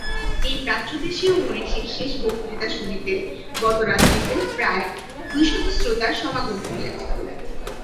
এই প্রাচ্যদেশীয় মনীষীর শেষ বক্তৃতা শুনিতে গত রাত্রিতে প্রায় দুইশত শ্রোতার সমাগম হইয়াছিল।